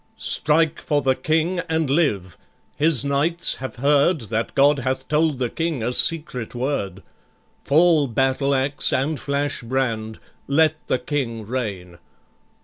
"Strike for the King and live! his knights have heard That God hath told the King a secret word. Fall battle axe, and flash brand! Let the King reign.